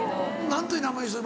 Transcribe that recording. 何という名前の人？